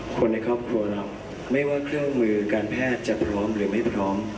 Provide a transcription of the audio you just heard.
คนในครอบครัวเราไม่ว่าเครื่องมือการแพทย์จะพร้อมหรือไม่พร้อม